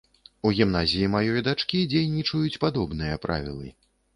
У гімназіі маёй дачкі дзейнічаюць падобныя правілы.